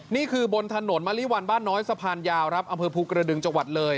นี่คือบนถนนมะลิวันบ้านน้อยสะพานยาวครับอำเภอภูกระดึงจังหวัดเลย